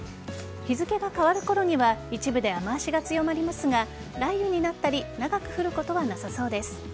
日付が変わるころには一部で雨脚が強まりますが雷雨になったり長く降ることはなさそうです。